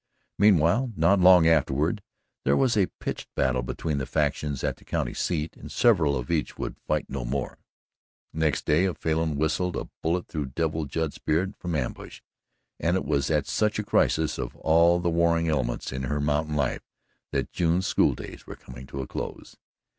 Meanwhile, not long afterward, there was a pitched battle between the factions at the county seat, and several of each would fight no more. Next day a Falin whistled a bullet through Devil Judd's beard from ambush, and it was at such a crisis of all the warring elements in her mountain life that June's school days were coming to a close.